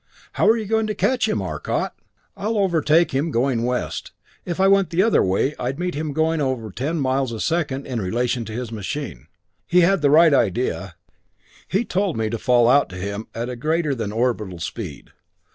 "How are you going to catch him, Arcot?" "I'll overtake him going west. If I went the other way I'd meet him going at over 10 miles a second in relation to his machine. He had the right idea. He told me to fall out to him at a greater than orbital speed.